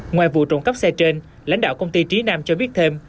ngoài vụ trọng cấp xe trên lãnh đạo công ty trí nam cho biết thêm